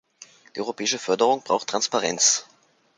Die europäische Förderung braucht Transparenz!